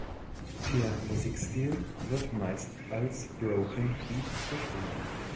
Ihr Musikstil wird meist als Broken Beat beschrieben.